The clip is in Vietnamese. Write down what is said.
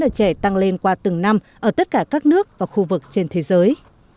ở trẻ tăng lên qua từng năm ở tất cả các nước và khu vực trên thế giới